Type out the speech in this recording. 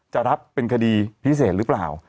จะรับเป็นคดีพิเศษหรือเปล่า